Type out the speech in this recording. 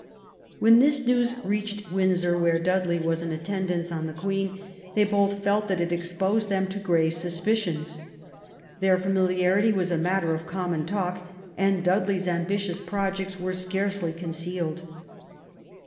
When this news reached Windsor, where Dudley was in attendance on the Queen, they both felt that it exposed them to grave suspicions. Their famili arity was a matter of cpmmon talk ; and Dudley's am bitious projects were scarcely concealed.